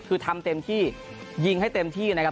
คือทำเต็มที่ยิงให้เต็มที่นะครับ